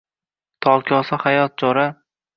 — Tolkosa hayot, jo’ra.